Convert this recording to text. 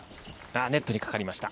ネットにかかりました。